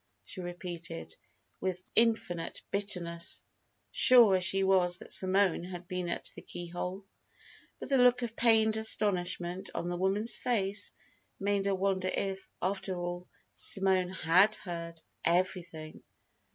she repeated, with infinite bitterness, sure as she was that Simone had been at the keyhole. But the look of pained astonishment on the woman's face made her wonder if, after all, Simone had heard "everything."